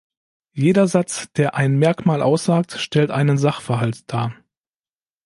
Jeder Satz, der ein Merkmal aussagt, stellt einen Sachverhalt dar.